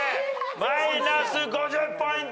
マイナス５０ポイント。